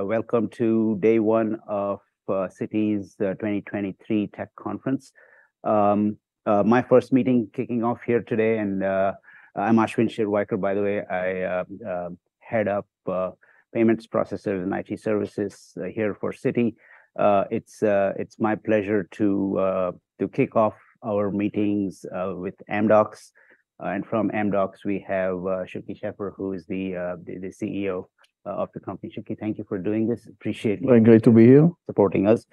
Welcome to day one of Citi's 2023 Tech Conference. My first meeting kicking off here today, and I'm Ashwin Shirvaikar, by the way. I head up payments processor and IT services here for Citi. It's my pleasure to kick off our meetings with Amdocs. From Amdocs, we have Shuky Sheffer, who is the CEO of the company. Shuky, thank you for doing this. Appreciate you. Very great to be here. Supporting us.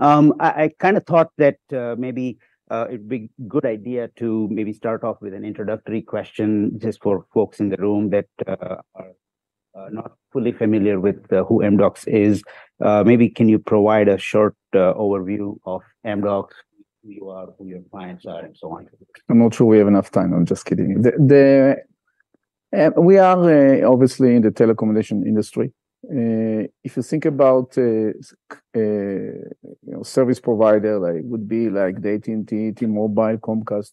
I kind of thought that maybe it'd be good idea to maybe start off with an introductory question just for folks in the room that are not fully familiar with who Amdocs is. Maybe can you provide a short overview of Amdocs, who you are, who your clients are, and so on? I'm not sure we have enough time. I'm just kidding. The, we are, obviously, in the telecommunications industry. If you think about, you know, service provider, like, would be like the AT&T, T-Mobile, Comcast,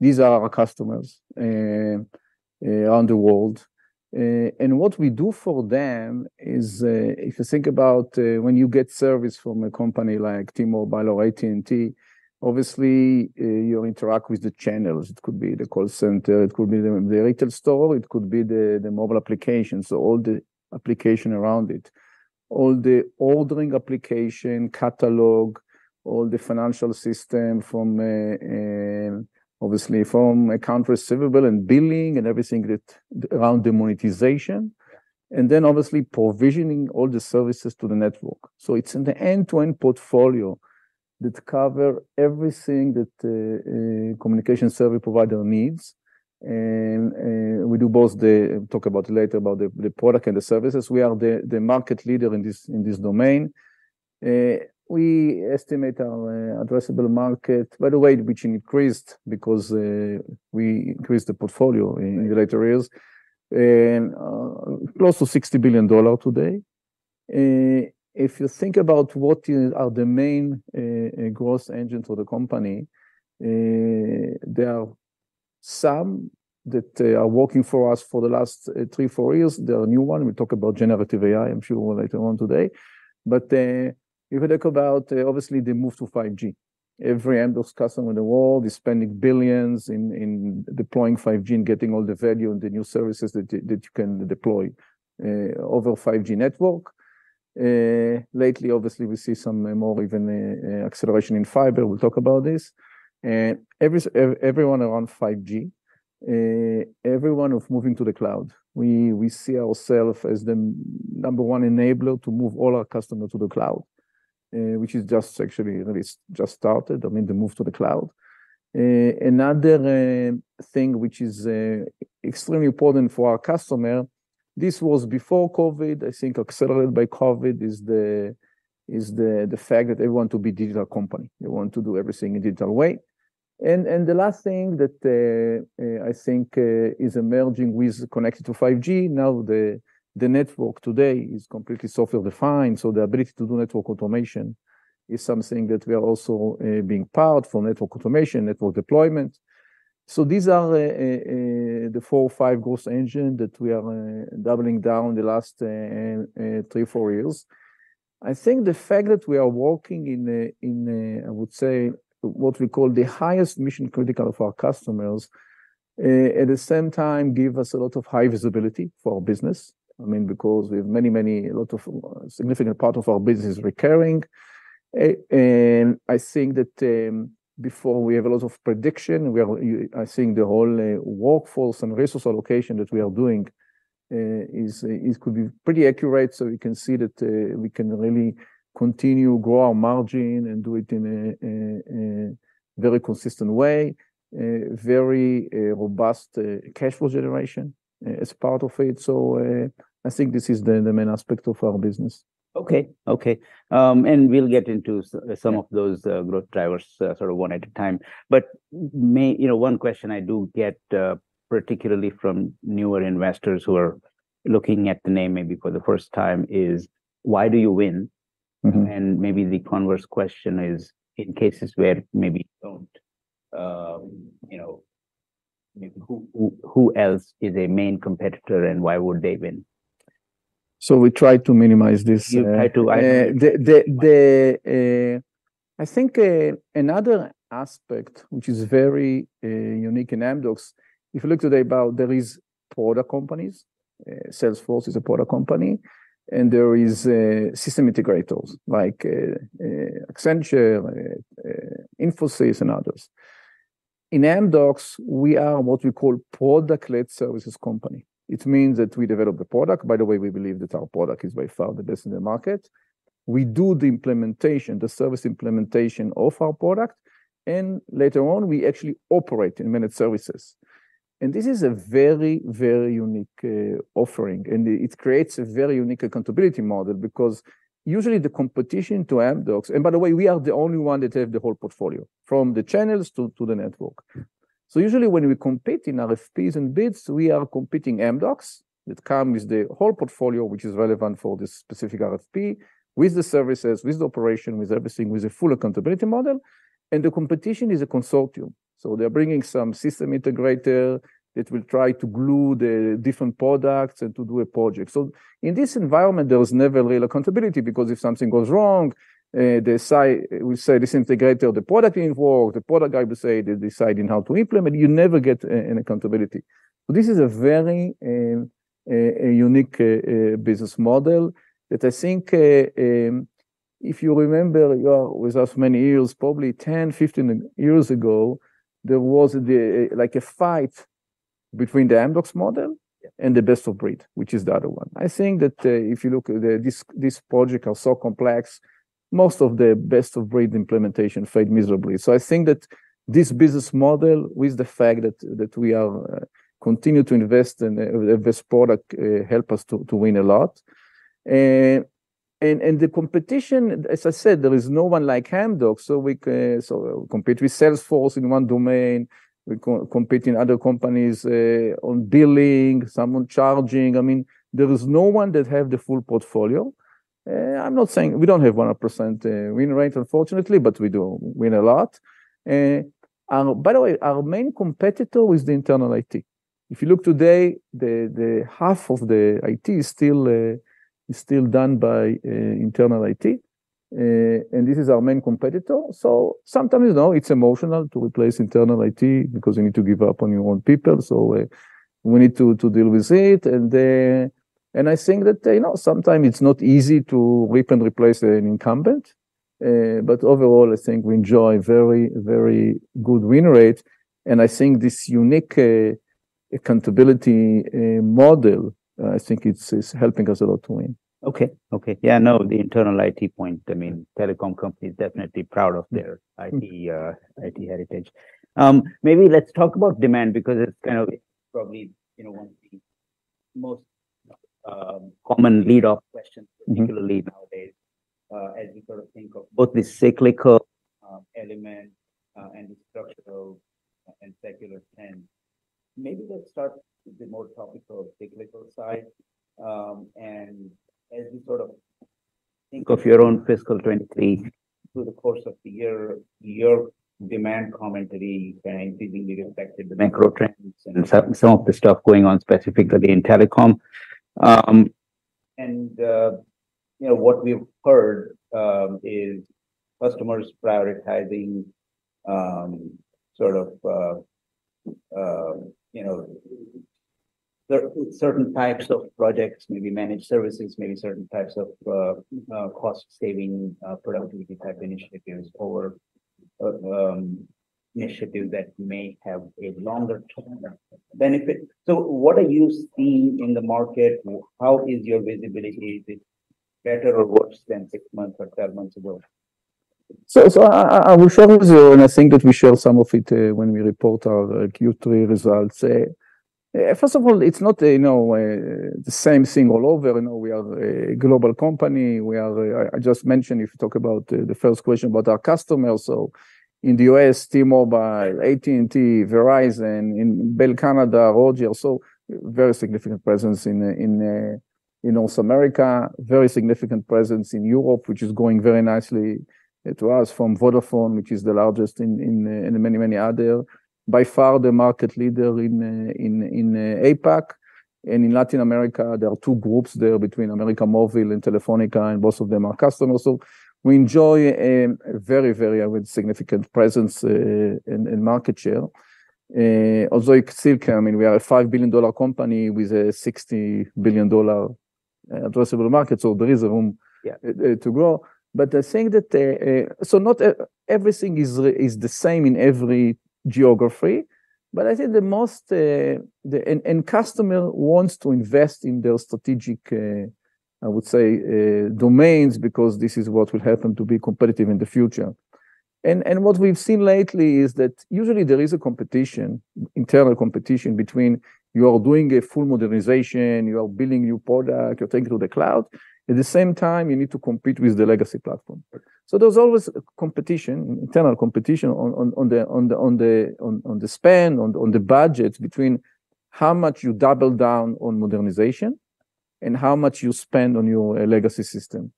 these are our customers, around the world. And what we do for them is, if you think about, when you get service from a company like T-Mobile or AT&T, obviously, you interact with the channels. It could be the call center, it could be the, the retail store, it could be the, the mobile application, so all the application around it. All the ordering application, catalog, all the financial system from, obviously, from accounts receivable and billing and everything that around the monetization, and then, obviously, provisioning all the services to the network. So it's an end-to-end portfolio that cover everything that communication service provider needs. And we do both—talk about later about the product and the services. We are the market leader in this domain. We estimate our addressable market, by the way, which increased because we increased the portfolio in later years, and close to $60 billion today. If you think about what are the main growth engines for the company, there are some that are working for us for the last three, four years. There are new one, we talk about generative AI, I'm sure later on today. But, if you think about, obviously, the move to 5G, every Amdocs customer in the world is spending $billions in deploying 5G and getting all the value and the new services that you can deploy over 5G network. Lately, obviously, we see some more even acceleration in fiber. We'll talk about this. Everyone around 5G, everyone of moving to the cloud. We see ourself as the number one enabler to move all our customers to the cloud, which is just actually, it's just started, I mean, the move to the cloud. Another thing which is extremely important for our customer, this was before COVID, I think accelerated by COVID, is the fact that they want to be digital company. They want to do everything in digital way. And the last thing that I think is emerging with connected to 5G, now, the network today is completely software-defined, so the ability to do network automation is something that we are also being powered for network automation, network deployment. So these are the four or five growth engine that we are doubling down the last three, four years. I think the fact that we are working in a, in a, I would say, what we call the highest mission critical of our customers, at the same time, give us a lot of high visibility for our business. I mean, because we have many, many, a lot of significant part of our business is recurring. I think that before we have a lot of prediction, I think the whole workforce and resource allocation that we are doing could be pretty accurate. So we can see that we can really continue grow our margin and do it in a very consistent way, very robust cash flow generation as part of it. So I think this is the main aspect of our business. Okay, okay. And we'll get into Yeah... some of those growth drivers, sort of one at a time. But you know, one question I do get, particularly from newer investors who are looking at the name maybe for the first time, is, why do you win? Mm-hmm. Maybe the converse question is, in cases where maybe you don't, you know, maybe who, who, who else is a main competitor, and why would they win? So we try to minimize this. You try to,... I think another aspect which is very unique in Amdocs. If you look today about there is product companies, Salesforce is a product company, and there is system integrators like Accenture, Infosys, and others. In Amdocs, we are what we call product-led services company. It means that we develop the product. By the way, we believe that our product is by far the best in the market. We do the implementation, the service implementation of our product, and later on, we actually operate and manage services. And this is a very, very unique offering, and it creates a very unique accountability model, because usually the competition to Amdocs, and by the way, we are the only one that have the whole portfolio, from the channels to the network.... So usually when we compete in RFPs and bids, we are competing, Amdocs that come with the whole portfolio, which is relevant for this specific RFP, with the services, with the operation, with everything, with a full accountability model, and the competition is a consortium. So they're bringing some system integrator that will try to glue the different products and to do a project. So in this environment, there was never real accountability, because if something goes wrong, they say, we say, this integrator, the product involved, the product guy will say, they deciding how to implement, you never get an accountability. This is a very unique business model that I think, if you remember, with us many years, probably 10, 15 years ago, there was, like, a fight between the Amdocs model and the best of breed, which is the other one. I think that, if you look at this project are so complex, most of the best of breed implementation failed miserably. I think that this business model, with the fact that we are continue to invest in this product, help us to win a lot. The competition, as I said, there is no one like Amdocs, so we can compete with Salesforce in one domain, we co-compete in other companies on billing, some on charging. I mean, there is no one that have the full portfolio. I'm not saying... We don't have 100% win rate, unfortunately, but we do win a lot. And by the way, our main competitor is the internal IT. If you look today, the half of the IT is still done by internal IT, and this is our main competitor. So sometimes, you know, it's emotional to replace internal IT because you need to give up on your own people. So, we need to deal with it. And I think that, you know, sometimes it's not easy to rip and replace an incumbent, but overall, I think we enjoy very, very good win rate. And I think this unique accountability model, I think it's helping us a lot to win. Okay. Okay. Yeah, I know the internal IT point. I mean, telecom company is definitely proud of their IT, IT heritage. Maybe let's talk about demand, because it's kind of probably, you know, one of the most common lead off questions, particularly nowadays, as you sort of think of both the cyclical element and the structural and secular trends. Maybe let's start with the more topical cyclical side. And as you sort of think of your own fiscal 2023 through the course of the year, your demand commentary indeed reflected the macro trends and some of the stuff going on specifically in telecom. And, you know, what we've heard is customers prioritizing, sort of, you know, certain types of projects, maybe managed services, maybe certain types of cost saving, productivity type initiatives or initiative that may have a longer term benefit. So what are you seeing in the market? How is your visibility? Is it better or worse than six months or 10 months ago? So we share with you, and I think that we share some of it when we report our Q3 results. First of all, it's not, you know, the same thing all over. You know, we are a global company. We are, I just mentioned, if you talk about the first question about our customers, so in the U.S., T-Mobile, AT&T, Verizon, in Bell Canada, Rogers, so very significant presence in North America, very significant presence in Europe, which is going very nicely to us from Vodafone, which is the largest in and many, many other. By far the market leader in APAC and in Latin America. There are two groups there between América Móvil and Telefónica, and both of them are customers. So we enjoy a very, very significant presence in market share. Although it still can, I mean, we are a $5 billion company with a $60 billion addressable market, so there is a room- Yeah. To grow. But I think that, so not everything is the same in every geography, but I think the most. And customer wants to invest in their strategic, I would say, domains, because this is what will help them to be competitive in the future. And what we've seen lately is that usually there is a competition, internal competition between you are doing a full modernization, you are building new product, you're taking to the cloud. At the same time, you need to compete with the legacy platform. So there's always competition, internal competition, on the spend, on the budget, between how much you double down on modernization and how much you spend on your legacy system.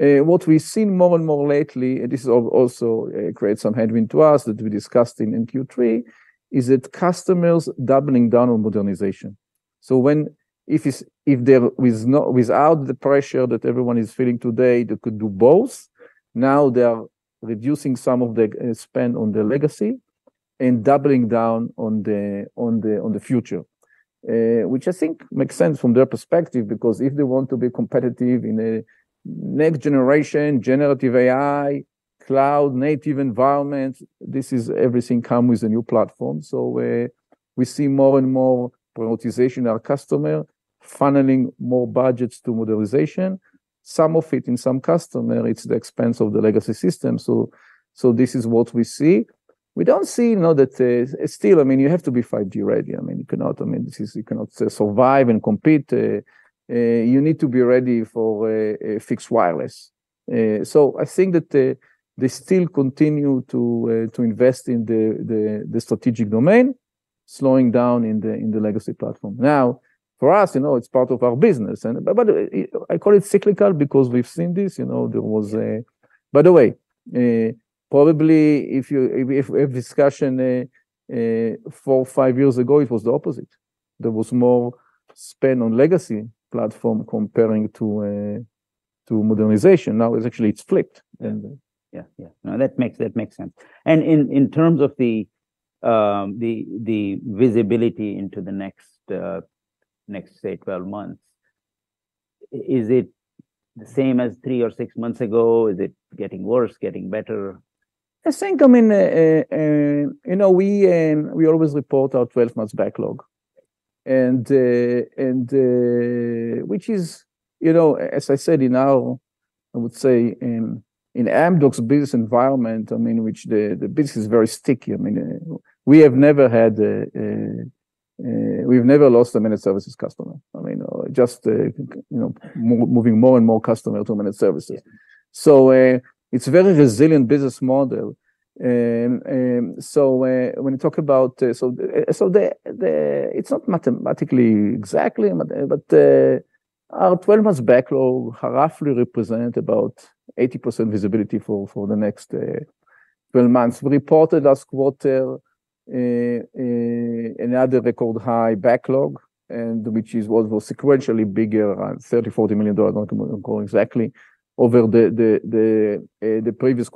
What we've seen more and more lately, and this is also creating some headwind to us that we discussed in Q3, is that customers doubling down on modernization. So if they're without the pressure that everyone is feeling today, they could do both. Now they are reducing some of the spend on the legacy and doubling down on the future, which I think makes sense from their perspective, because if they want to be competitive in a next generation, generative AI, cloud native environment, this is everything come with a new platform. So we see more and more prioritization. Our customer funneling more budgets to modernization. Some of it, in some customer, it's the expense of the legacy system. So this is what we see. We don't see, you know, that still, I mean, you have to be 5G ready. I mean, you cannot I mean, this is... You cannot survive and compete, you need to be ready for fixed wireless. So I think that they still continue to invest in the strategic domain, slowing down in the legacy platform. Now, for us, you know, it's part of our business, but I call it cyclical because we've seen this, you know. By the way, probably if discussion four, five years ago, it was the opposite. There was more spend on legacy platform comparing to modernization. Now, it's actually flipped, and- Yeah. Yeah, now, that makes, that makes sense. And in terms of the visibility into the next 12 months, is it the same as three or six months ago? Is it getting worse, getting better? I think, I mean, you know, we always report our 12 months backlog. And which is, you know, as I said, you know, I would say in Amdocs business environment, I mean, which the business is very sticky. I mean, we've never lost a managed services customer. I mean, just, you know, moving more and more customer to managed services. Yeah. It's a very resilient business model. When you talk about. So, the—it's not mathematically exactly, but our 12-month backlog roughly represent about 80% visibility for the next 12 months. We reported last quarter another record high backlog, and which is what was sequentially bigger, around $30-$40 million, I don't recall exactly, over the previous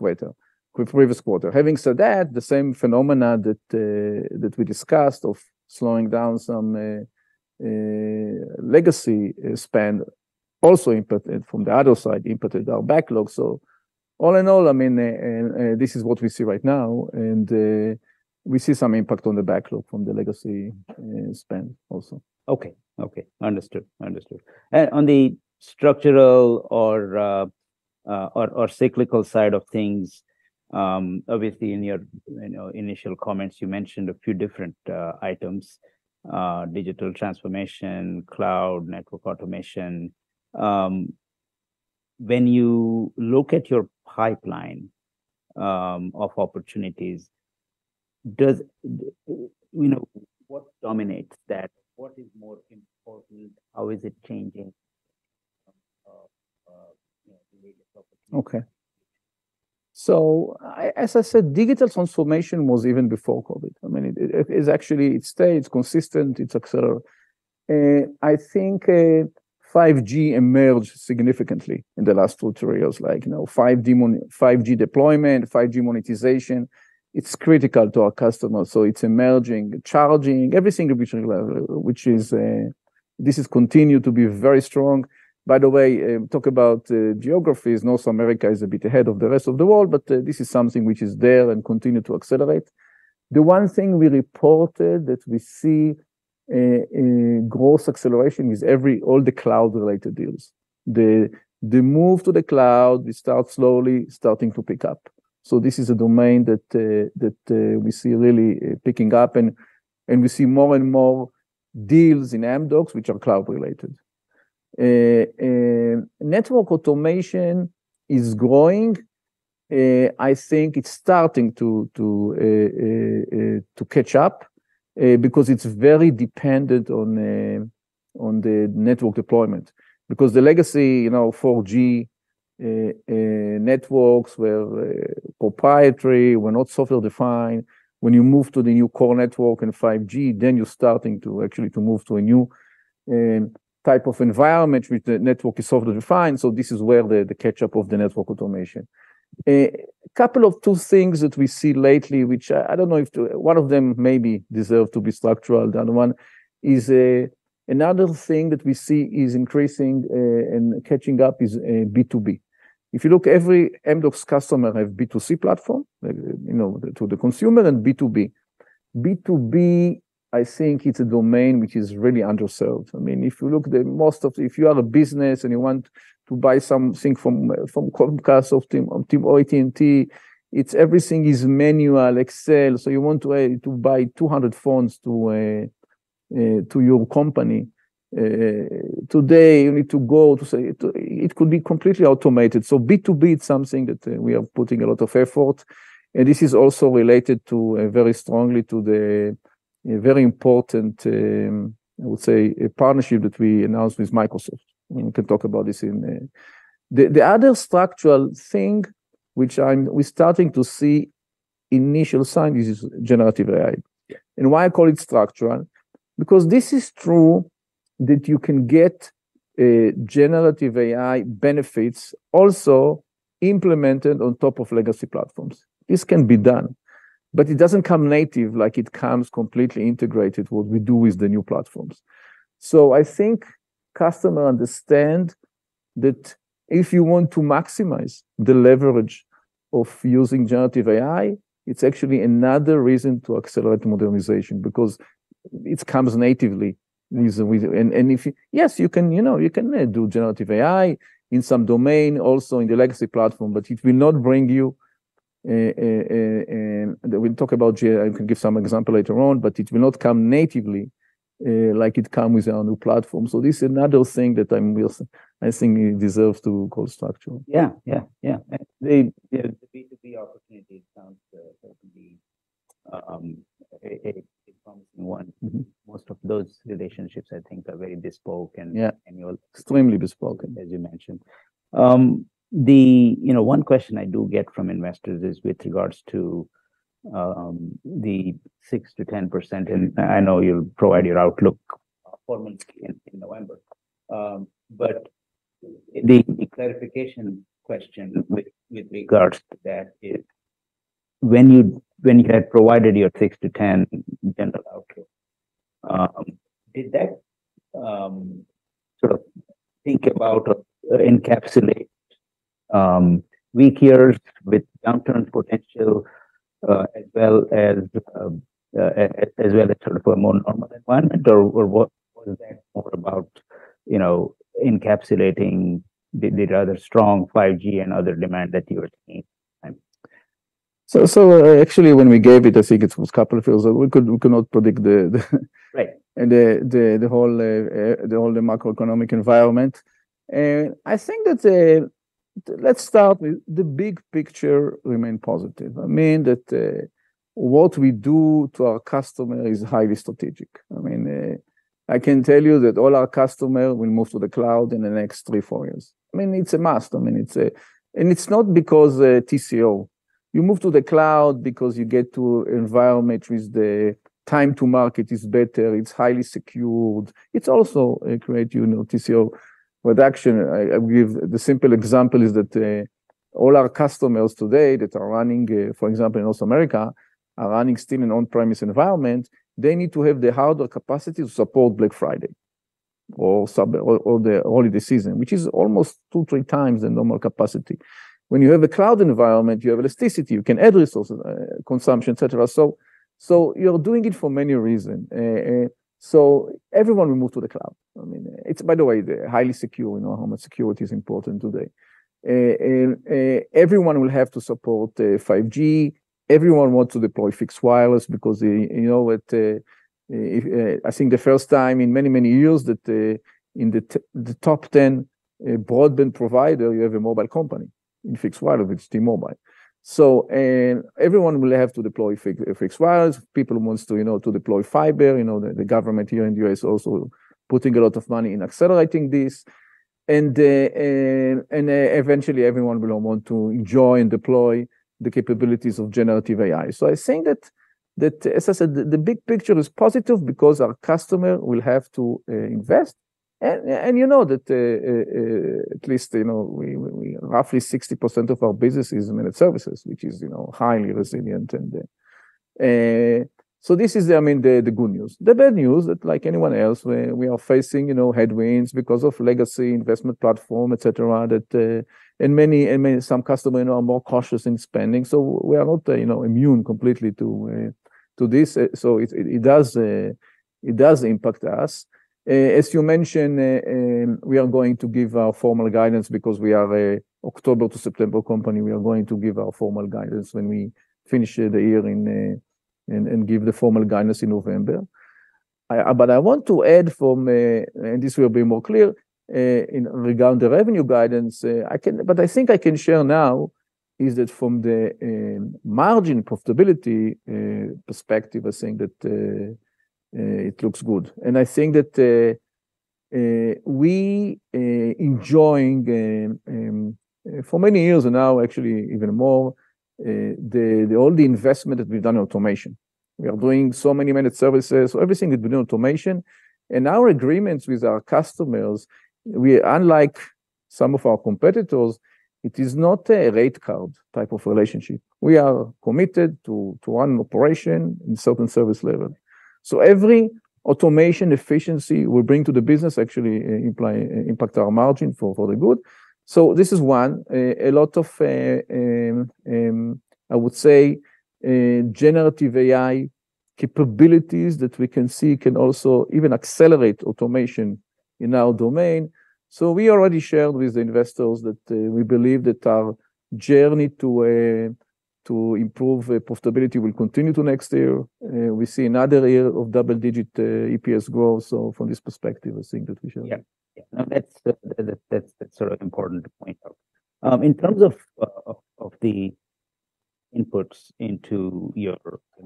quarter. Having said that, the same phenomena that we discussed of slowing down some legacy spend also impacted from the other side impacted our backlog. So all in all, I mean, this is what we see right now, and we see some impact on the backlog from the legacy spend also. Okay, okay. Understood. Understood. On the structural or cyclical side of things, obviously, in your, you know, initial comments, you mentioned a few different items, digital transformation, cloud, network automation. When you look at your pipeline of opportunities, does, you know, what dominates that? What is more important? How is it changing? You know, the way the- Okay. So as I said, digital transformation was even before COVID. I mean, it is actually, it's steady, it's consistent, it's accelerated. I think, 5G emerged significantly in the last two, three years. Like, you know, 5G deployment, 5G monetization, it's critical to our customers, so it's emerging, charging, every single bit, which is, this has continued to be very strong. By the way, talk about geographies, North America is a bit ahead of the rest of the world, but, this is something which is there and continue to accelerate. The one thing we reported that we see, growth acceleration is every... all the cloud-related deals. The move to the cloud, it start slowly, starting to pick up. So this is a domain that we see really picking up, and we see more and more deals in Amdocs, which are cloud-related. Network automation is growing. I think it's starting to catch up because it's very dependent on the network deployment. Because the legacy, you know, 4G networks were proprietary, were not software-defined. When you move to the new core network and 5G, then you're starting to actually move to a new type of environment, which the network is software-defined, so this is where the catch up of the network automation. Couple of two things that we see lately, which I don't know if to... One of them maybe deserve to be structural, the other one is, another thing that we see is increasing, and catching up is, B2B. If you look, every Amdocs customer have B2C platform, you know, to the consumer, and B2B. B2B, I think it's a domain which is really underserved. I mean, if you have a business and you want to buy something from, from Comcast or T-Mobile, or AT&T, it's everything is manual, Excel. So you want to, to buy 200 phones to, to your company, today, you need to go to say... It could be completely automated. So B2B is something that we are putting a lot of effort, and this is also related to very strongly to the very important, I would say a partnership that we announced with Microsoft. We can talk about this in the... The other structural thing which we're starting to see initial sign, this is generative AI. Yeah. And why I call it structural? Because this is true that you can get generative AI benefits also implemented on top of legacy platforms. This can be done, but it doesn't come native, like it comes completely integrated, what we do with the new platforms. So I think customer understand that if you want to maximize the leverage of using generative AI, it's actually another reason to accelerate modernization, because it comes natively with the, with the. And if you—yes, you can, you know, you can do generative AI in some domain, also in the legacy platform, but it will not bring you. And we'll talk about Gen AI, I can give some example later on, but it will not come natively, like it come with our new platform. So this is another thing that I'm will, I think deserves to co-structure. Yeah, yeah, yeah. They, yeah, the B2B opportunity sounds certainly a promising one. Mm-hmm. Most of those relationships I think are very bespoke and- Yeah -and you're- Extremely bespoke. As you mentioned. You know, one question I do get from investors is with regards to the 6%-10%. Mm-hmm. I know you'll provide your outlook four months in November. But the clarification question with regards to that is, when you had provided your six to 10 general outlook, did that sort of think about or encapsulate weak years with downturn potential, as well as sort of a more normal environment? Or what was that more about, you know, encapsulating the rather strong 5G and other demand that you were seeing? So actually, when we gave it, I think it was a couple of years, we could not predict the- Right... the whole macroeconomic environment. And I think that, let's start with the big picture remain positive. I mean, that what we do to our customer is highly strategic. I mean, I can tell you that all our customer will move to the cloud in the next three, four years. I mean, it's a must. I mean, it's a... And it's not because, TCO. You move to the cloud because you get to environment with the time to market is better, it's highly secured. It's also a great, you know, TCO reduction. I give, the simple example is that, all our customers today that are running, for example, in North America, are running still an on-premise environment. They need to have the hardware capacity to support Black Friday or the holiday season, which is almost to to three times the normal capacity. When you have a cloud environment, you have elasticity, you can add resources, consumption, et cetera. So, you're doing it for many reason. So everyone will move to the cloud. I mean, it's, by the way, they're highly secure. We know how much security is important today. Everyone will have to support 5G. Everyone want to deploy fixed wireless because, you know what? I think the first time in many, many years that in the top 10 broadband provider, you have a mobile company in fixed wireless, it's T-Mobile. So, and everyone will have to deploy fixed wireless. People wants to, you know, to deploy fiber. You know, the government here in the U.S. is also putting a lot of money in accelerating this. And eventually everyone will want to enjoy and deploy the capabilities of generative AI. So I think that, as I said, the big picture is positive because our customer will have to invest. And you know that at least you know, we roughly 60% of our business is managed services, which is, you know, highly resilient, and so this is, I mean, the good news. The bad news, that like anyone else, we are facing, you know, headwinds because of legacy investment platform, et cetera, that and many some customers, you know, are more cautious in spending. So we are not, you know, immune completely to this. So it does impact us. As you mentioned, we are going to give our formal guidance because we are a October to September company. We are going to give our formal guidance when we finish the year in and give the formal guidance in November. But I want to add from and this will be more clear in regard the revenue guidance. I can-- But I think I can share now, is that from the margin profitability perspective, I think that it looks good. And I think that we enjoying for many years now, actually even more, the all the investment that we've done in automation. We are doing so many managed services, so everything is been doing automation. And our agreements with our customers, we, unlike some of our competitors, it is not a rate card type of relationship. We are committed to one operation and certain service level. So every automation efficiency we bring to the business actually impact our margin for the good. So this is one, a lot of, I would say, generative AI capabilities that we can see can also even accelerate automation in our domain. So we already shared with the investors that we believe that our journey to improve profitability will continue to next year. We see another year of double-digit EPS growth. So from this perspective, I think that we share. Yeah. Yeah. No, that's, that's sort of important to point out. In terms of, of, of the inputs into your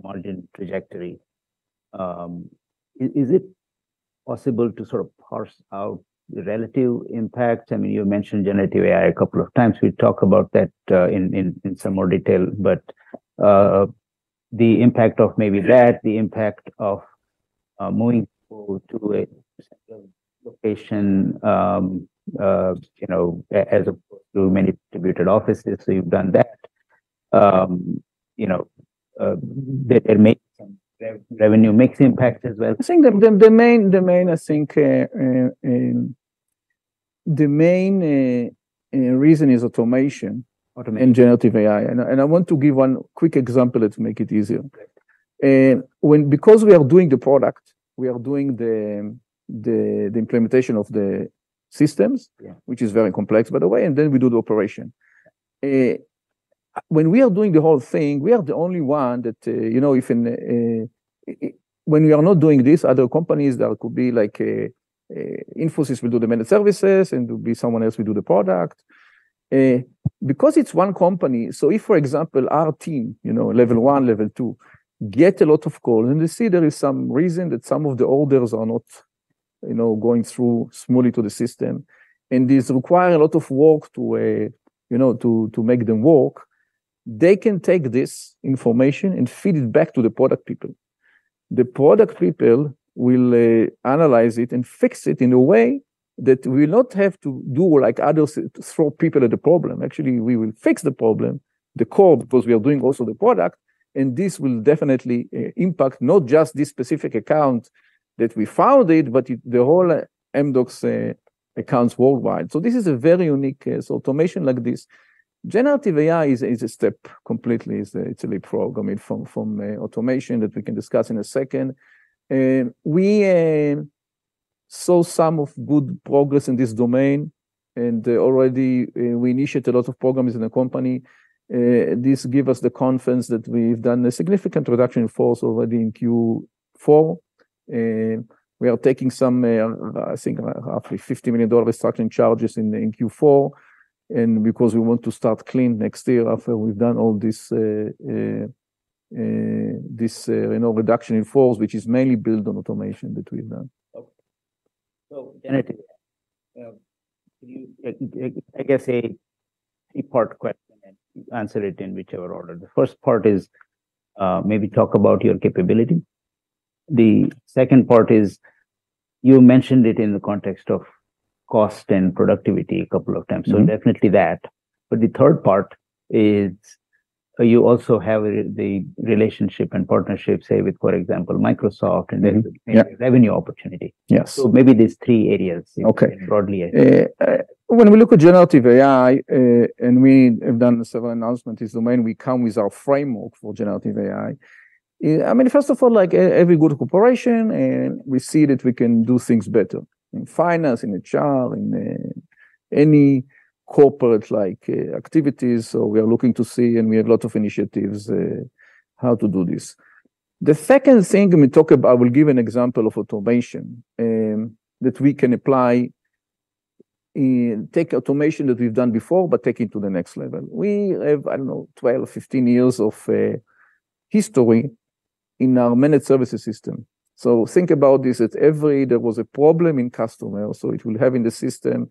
margin trajectory, is, is it possible to sort of parse out the relative impact? I mean, you mentioned generative AI a couple of times. We'll talk about that, in, in, in some more detail, but, the impact of maybe that, the impact of, moving forward to a location, you know, as opposed to many distributed offices, so you've done that. You know, that it makes some revenue, mixed impact as well. I think the main reason is automation- Automation... and generative AI. And I want to give one quick example to make it easier.... And when, because we are doing the product, we are doing the implementation of the systems- Yeah. which is very complex, by the way, and then we do the operation. When we are doing the whole thing, we are the only one that, you know, When we are not doing this, other companies, there could be like, Infosys will do the managed services, and there'll be someone else will do the product. Because it's one company, so if, for example, our team, you know, level one, level two, get a lot of call and they see there is some reason that some of the orders are not, you know, going through smoothly to the system, and this require a lot of work to, you know, to make them work, they can take this information and feed it back to the product people. The product people will analyze it and fix it in a way that we will not have to do like others, throw people at the problem. Actually, we will fix the problem, the core, because we are doing also the product, and this will definitely impact not just this specific account that we founded, but it... the whole Amdocs accounts worldwide. So this is a very unique case, automation like this. generative AI is a step completely. It's a leapfrog, I mean, from automation that we can discuss in a second. And we saw some good progress in this domain, and already we initiate a lot of programs in the company. This give us the confidence that we've done a significant reduction in force already in Q4, and we are taking some, I think roughly $50 million restructuring charges in Q4, and because we want to start clean next year after we've done all this, you know, reduction in force, which is mainly built on automation that we've done. Okay. So, can you, I guess, a three-part question, and you answer it in whichever order. The first part is, maybe talk about your capability. The second part is, you mentioned it in the context of cost and productivity a couple of times. Mm-hmm. So definitely that. But the third part is, you also have the relationship and partnership, say, for example, with, for example, Microsoft- Mm-hmm. Yeah. Revenue opportunity. Yes. So maybe these three areas- Okay. Broadly, I think. When we look at generative AI, and we have done several announcements this domain, we come with our framework for generative AI. I mean, first of all, like every good corporation, and we see that we can do things better, in finance, in HR, in any corporate like activities. So we are looking to see, and we have a lot of initiatives, how to do this. The second thing when we talk about, I will give an example of automation, that we can apply, take automation that we've done before, but take it to the next level. We have, I don't know, 12, 15 years of history in our managed services system. So think about this, that every time there was a problem in customer, so it will have in the system.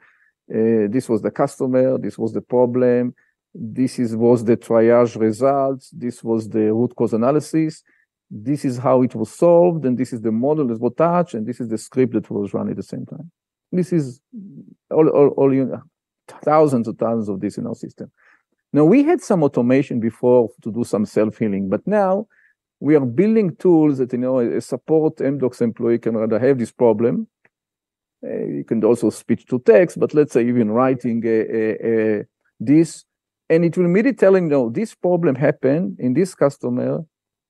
This was the customer, this was the problem, this is, was the triage results, this was the root cause analysis, this is how it was solved, and this is the model that was touched, and this is the script that was run at the same time. This is all, all, all, you know, thousands and thousands of this in our system. Now, we had some automation before to do some self-healing, but now we are building tools that, you know, support Amdocs employee can rather have this problem. You can also speech to text, but let's say even writing this, and it will immediately telling, you know, this problem happened in this customer,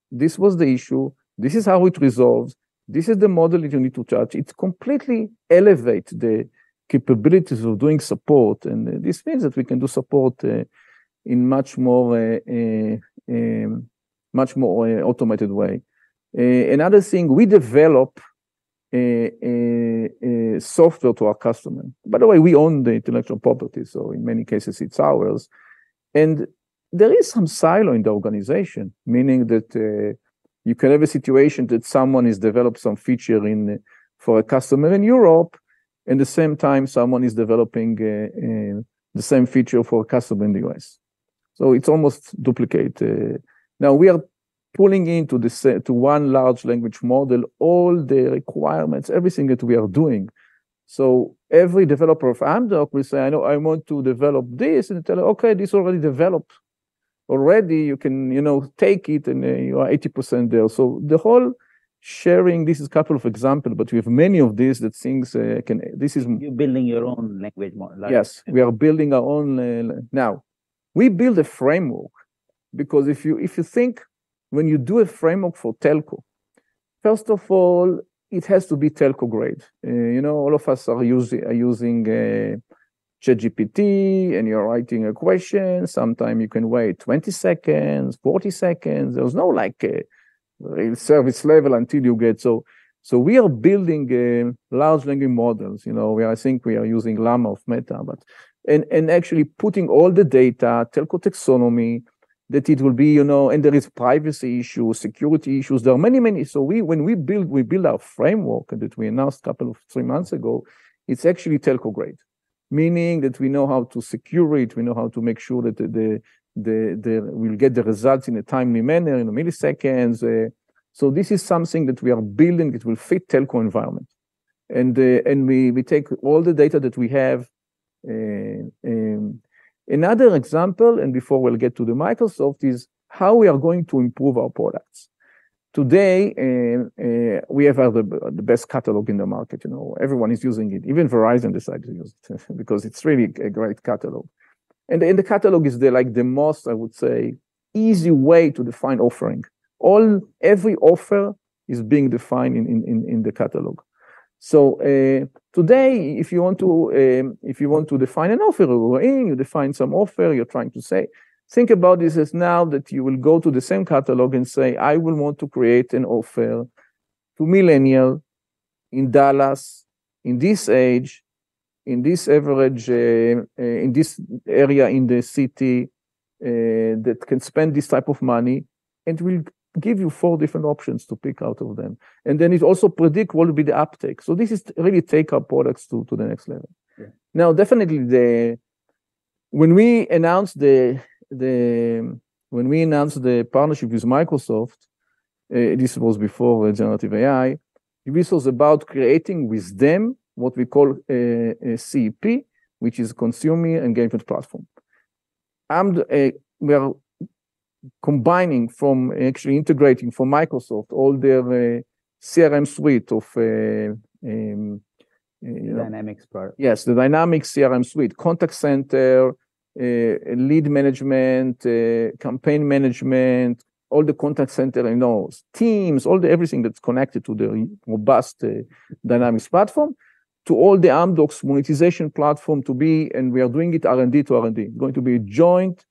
this was the issue, this is how it resolved, this is the model that you need to touch. It completely elevate the capabilities of doing support, and this means that we can do support in much more much more automated way. Another thing, we develop a software to our customer. By the way, we own the intellectual property, so in many cases it's ours. And there is some silo in the organization, meaning that you can have a situation that someone has developed some feature in for a customer in Europe, at the same time, someone is developing the same feature for a customer in the US. So it's almost duplicate. Now we are pulling into this, to one large language model, all the requirements, everything that we are doing. So every developer of Amdocs will say, "I know I want to develop this," and they tell, "Okay, this already developed. Already, you can, you know, take it, and you are 80% there." So the whole sharing, this is couple of example, but we have many of these that things, can... This is- You're building your own language model, right? Yes, we are building our own. Now, we build a framework, because if you think when you do a framework for telco, first of all, it has to be telco grade. You know, all of us are using ChatGPT, and you're writing a question. Sometimes you can wait 20 seconds, 40 seconds. There's no, like, service level until you get. So we are building large language models. You know, I think we are using Llama of Meta, but. And actually putting all the data, telco taxonomy, that it will be, you know. And there is privacy issues, security issues, there are many, many. So when we build, we build our framework that we announced a couple of three months ago. It's actually telco grade, meaning that we know how to secure it. We know how to make sure that we'll get the results in a timely manner, in milliseconds. So this is something that we are building that will fit telco environment. And we take all the data that we have. Another example, and before we'll get to the Microsoft, is how we are going to improve our products. Today we have the best catalog in the market, you know, everyone is using it. Even Verizon decided to use it because it's really a great catalog. And the catalog is, like, the most, I would say, easy way to define offering. Every offer is being defined in the catalog. So, today, if you want to define an offer, you go in, you define some offer you're trying to say, think about this as now that you will go to the same catalog and say, "I will want to create an offer to millennial in Dallas, in this age, in this average, in this area in the city, that can spend this type of money," and it will give you four different options to pick out of them. And then it also predict what will be the uptake. So this is really take our products to the next level. Yeah. Now, definitely. When we announced the partnership with Microsoft, this was before the generative AI. This was about creating with them what we call a CEP, which is Customer Engagement Platform. And we are combining from, actually integrating from Microsoft, all their CRM suite of Dynamics part. Yes, the Dynamics CRM suite, contact center, lead management, campaign management, all the contact center I know, Teams, all the everything that's connected to the robust, Dynamics platform, to all the Amdocs monetization platform to be, and we are doing it R&D to R&D. Going to be a joint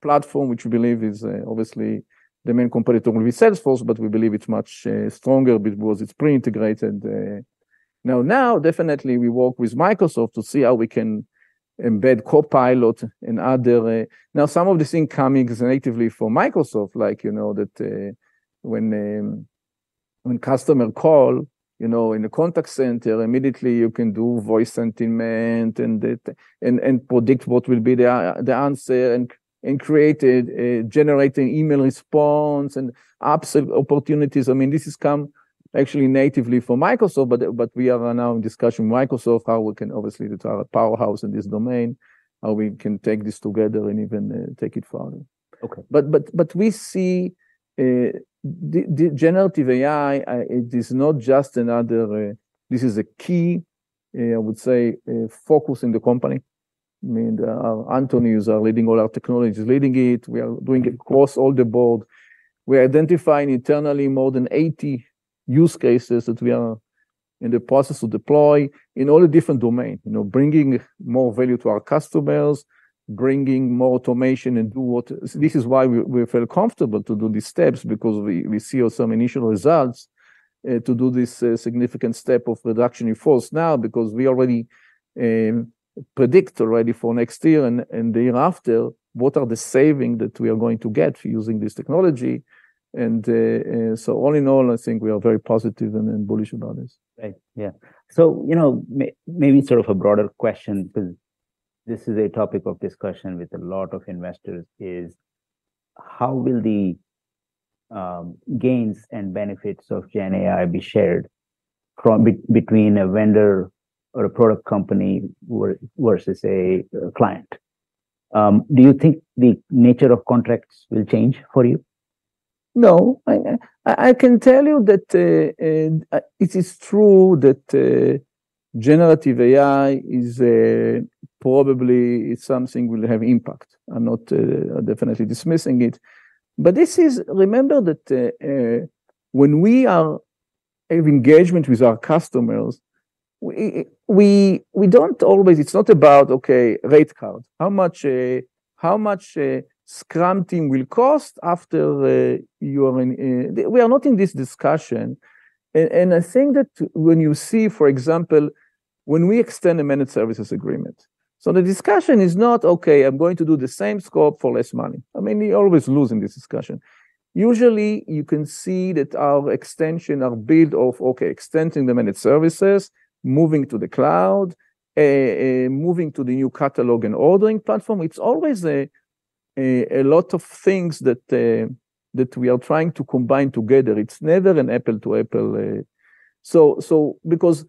platform, which we believe is, obviously, the main competitor will be Salesforce, but we believe it's much, stronger because it's pre-integrated. Now, definitely we work with Microsoft to see how we can embed Copilot and other... Now, some of this thing coming is natively from Microsoft. Like, you know, that, when customer call, you know, in the contact center, immediately you can do voice sentiment and it, and predict what will be the the answer, and create a, generating email response and upsell opportunities. I mean, this has come actually natively from Microsoft, but we are now in discussion with Microsoft how we can obviously... It's our powerhouse in this domain, how we can take this together and even take it further. Okay. But we see the generative AI, it is not just another. This is a key, I would say, focus in the company. I mean, Anthony is leading all our technology, he's leading it. We are doing it across the board. We're identifying internally more than 80 use cases that we are in the process of deploy in all the different domain. You know, bringing more value to our customers, bringing more automation, and do what. This is why we feel comfortable to do these steps, because we see some initial results to do this significant step of reduction in force now, because we already predict already for next year and the year after, what are the saving that we are going to get for using this technology. So all in all, I think we are very positive and bullish about this. Right. Yeah. So, you know, maybe sort of a broader question, because this is a topic of discussion with a lot of investors, is: How will the gains and benefits of Gen AI be shared between a vendor or a product company versus a client? Do you think the nature of contracts will change for you? No. I can tell you that, it is true that, generative AI is probably it's something will have impact. I'm not definitely dismissing it. But this is... Remember that, when we are have engagement with our customers, we don't always—it's not about, okay, rate card, how much, how much, scrum team will cost after, you are in... We are not in this discussion. I think that when you see, for example, when we extend a managed services agreement, so the discussion is not, "Okay, I'm going to do the same scope for less money." I mean, we always lose in this discussion. Usually, you can see that our extension, our build of, okay, extending the managed services, moving to the cloud, moving to the new catalog and ordering platform, it's always a lot of things that we are trying to combine together. It's never an apple to apple. So, because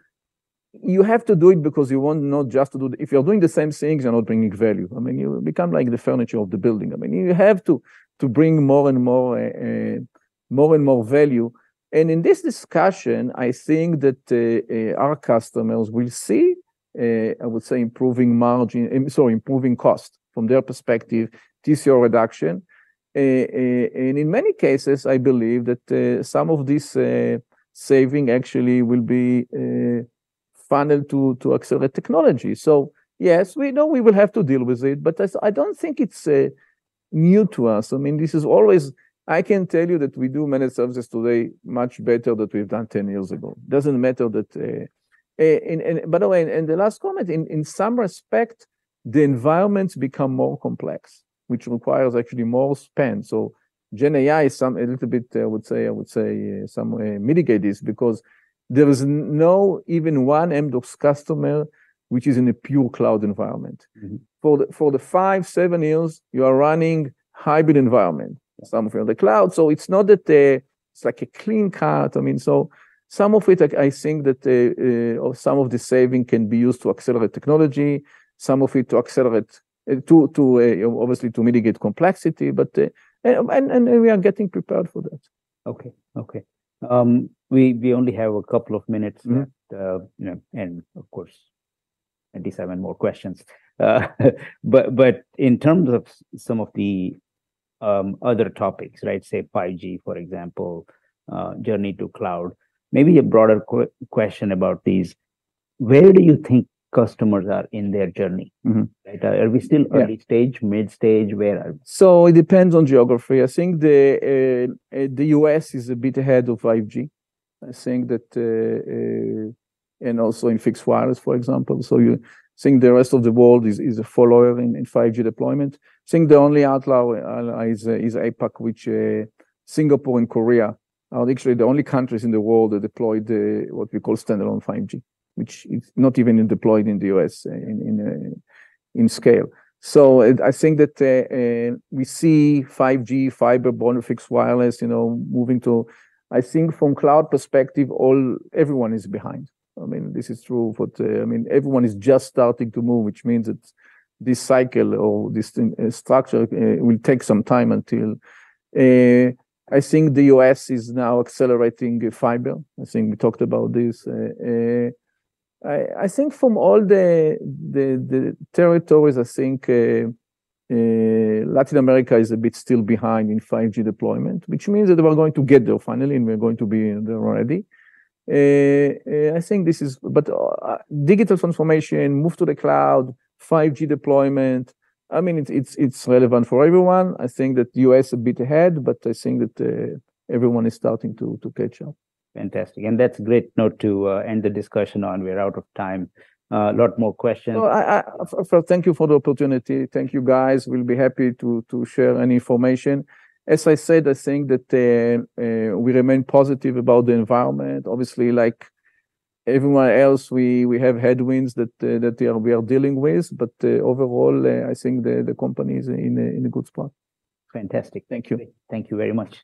you have to do it, because you want not just to do the... If you're doing the same things, you're not bringing value. I mean, you become like the furniture of the building. I mean, you have to bring more and more, more and more value. And in this discussion, I think that our customers will see, I would say, improving margin... Sorry, improving cost from their perspective, TCO reduction. In many cases, I believe that some of this saving actually will be funneled to accelerate technology. So yes, we know we will have to deal with it, but I don't think it's new to us. I mean, this is always... I can tell you that we do managed services today much better than we've done 10 years ago. Doesn't matter that... And by the way, and the last comment, in some respect, the environments become more complex, which requires actually more spend. So Gen AI is some, a little bit, I would say, I would say, some, mitigate this, because there is no even one Amdocs customer, which is in a pure cloud environment. Mm-hmm. For the five to seven years, you are running hybrid environment, some of it on the cloud. So it's not that, it's like a clean cut. I mean, so some of it, I think that, some of the saving can be used to accelerate technology, some of it to accelerate, obviously, to mitigate complexity, but and we are getting prepared for that.... Okay, okay. We only have a couple of minutes left- Mm-hmm. You know, and of course, at least seven more questions. But in terms of some of the other topics, right? Say, 5G, for example, journey to cloud, maybe a broader question about these, where do you think customers are in their journey? Mm-hmm. Right. Are we still early stage- Yeah... mid stage? Where are we? So it depends on geography. I think the U.S. is a bit ahead of 5G. I think that and also in fixed wireless, for example. So you think the rest of the world is a follower in 5G deployment. I think the only outlier is APAC, which, Singapore and Korea are literally the only countries in the world that deployed the, what we call standalone 5G, which is not even deployed in the U.S. in scale. So I think that we see 5G, Fiber, broadband, and fixed wireless, you know, moving to... I think from cloud perspective, all, everyone is behind. I mean, this is true for the, I mean, everyone is just starting to move, which means that this cycle or this structure will take some time until... I think the U.S. is now accelerating fiber. I think we talked about this. I think from all the territories, I think Latin America is a bit still behind in 5G deployment, which means that we're going to get there finally, and we're going to be there already. But digital transformation, move to the cloud, 5G deployment, I mean, it's relevant for everyone. I think that the U.S. is a bit ahead, but I think that everyone is starting to catch up. Fantastic. And that's a great note to end the discussion on. We're out of time. A lot more questions. Thank you for the opportunity. Thank you, guys. We'll be happy to share any information. As I said, I think that we remain positive about the environment. Obviously, like everyone else, we have headwinds that we are dealing with, but overall, I think the company is in a good spot. Fantastic. Thank you. Thank you. Thank you very much.